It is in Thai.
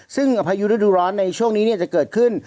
ซึ่งพายุฤดูร้อนในช่วงนี้จะเกิดขึ้น